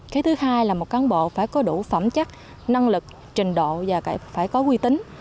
cái thứ hai là một cán bộ phải có đủ phẩm chất năng lực trình độ và phải có quy tính